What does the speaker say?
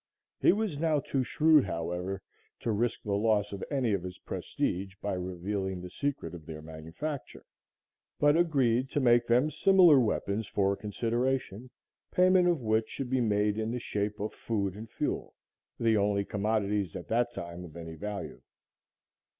He was now too shrewd, however, to risk the loss of any of his prestige by revealing the secret of their manufacture, but agreed to make them similar weapons for a consideration, payment of which should be made in the shape of food and fuel, the only commodities at that time of any value.